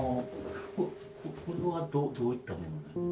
これはどういったものですか？